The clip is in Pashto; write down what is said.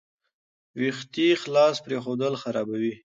ویښتې خلاص پریښودل خرابوي.